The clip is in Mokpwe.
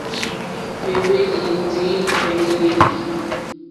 Éhwélì ndí tèŋɡí!lélí.